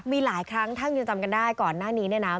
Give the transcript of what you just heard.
มีหลายครั้งที่พี่ผู้ยอมจำได้ก่อนหน้านี้นะ